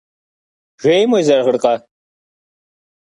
Жейм уезэгъыркъэ?